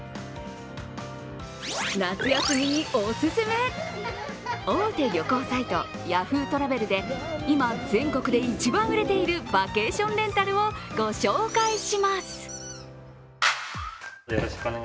夏休みにおすすめ、大手旅行サイトＹａｈｏｏ！トラベルで今、全国で一番売れているバケーションレンタルをご紹介します。